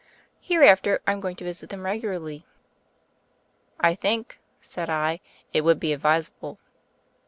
Hereafter, I'm going to visit them regularly." "I think," said I, "it would be advisable."